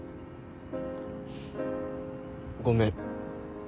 ごめん。